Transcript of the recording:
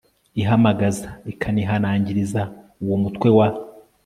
ihamagaza ikanihanangiriza uwo mutwe wa